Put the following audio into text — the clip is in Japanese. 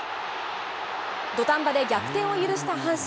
土壇場で逆転を許した阪神。